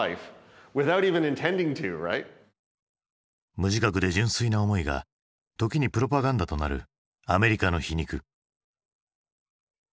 無自覚で純粋な思いが時にプロパガンダとなるアメリカの皮肉。